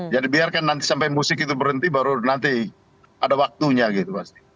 jadi biarkan nanti sampai musik itu berhenti baru nanti ada waktunya gitu pasti